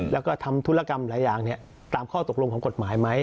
แล้วก็ทำธุรกรรมหลายอย่างตามข้อตกลงของกฎหมายไหม